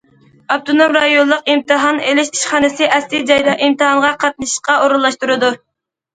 ئاپتونوم رايونلۇق ئىمتىھان ئېلىش ئىشخانىسى ئەسلى جايدا ئىمتىھانغا قاتنىشىشقا ئورۇنلاشتۇرىدۇ.